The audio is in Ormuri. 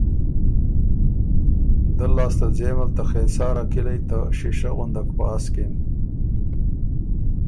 دۀ لاسته ل ځېم ته خېسار اره کِلئ ته شیشۀ غُندک پاسکِن۔